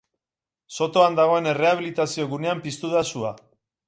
Sotoan dagoen errehabilitazio gunean piztu da sua.